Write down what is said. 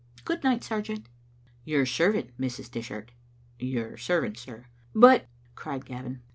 Good night, sergeant." "Your servant, Mrs. Dishart. Your servant, sir." « But ^," cried Gavin.